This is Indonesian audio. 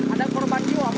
ada korban juga apa